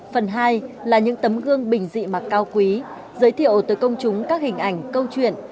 phần hai là những tấm gương bình dị mặc cao quý giới thiệu tới công chúng các hình ảnh câu chuyện